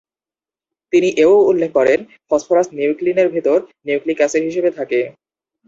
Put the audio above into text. তিনি এও উল্লেখ করেন ফসফরাস নিউক্লিনের ভিতর নিউক্লিক এসিড হিসেবে থাকে।